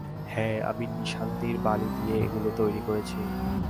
হ্যাঁ, আমি নিশান্তির বালি দিয়ে এগুলো তৈরি করেছি।